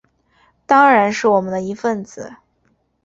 当然是我们的一分子